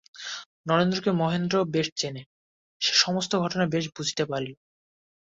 নরেন্দ্রকে মহেন্দ্র বেশ চেনে, সে সমস্ত ঘটনা বেশ বুঝিতে পারিল।